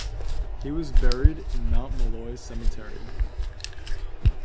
He was buried in Mount Molloy cemetery.